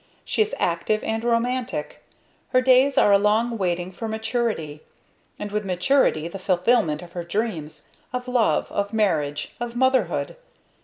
She is active and romantic. Her days are a long waiting for maturity, and with maturity the fulfilment of her dreams, of love, of marriage, of motherhood.